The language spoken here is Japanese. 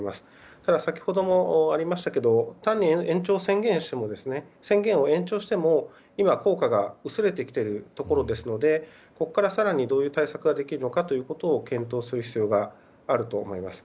ただ、先ほどもありましたが宣言を延長しても今、効果が薄れてきているところなのでここから更にどういう対策ができるか検討する必要があると思います。